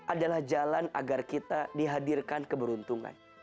adalah jalan agar kita dihadirkan keberuntungan